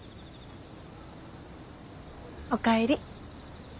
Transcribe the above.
お帰り。